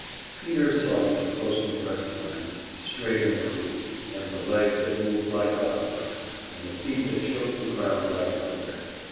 Peter saw these closely pressed lines, straight and true, and the legs that moved like clock work, and the feet that shook the ground like thunder.